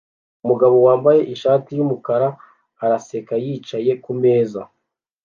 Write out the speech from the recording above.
Umugabo wambaye ishati yumukara araseka yicaye kumeza